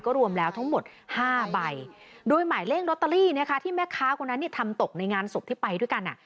รวมแล้วทั้งหมดห้าใบโดยหมายเลขลอตเตอรี่นะคะที่แม่ค้าคนนั้นเนี่ยทำตกในงานศพที่ไปด้วยกันอ่ะ